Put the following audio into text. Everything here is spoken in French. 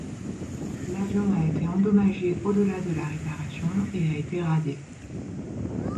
L'avion a été endommagé au-delà de la réparation et a été radié.